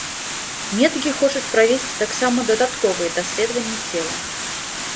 Медыкі хочуць правесці таксама дадатковыя даследаванні цела.